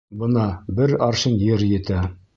Бына бер аршин ер етә.